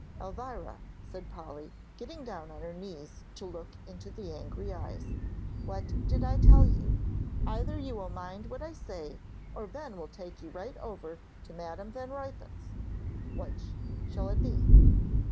"Elvira," said Polly, getting down on her knees to look into the angry eyes, "what did I tell you? Either you will mind what I say or Ben will take you right over to Madam Van Ruypen's. Which shall it be?"